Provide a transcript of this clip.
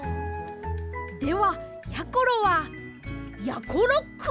ではやころはやころっく！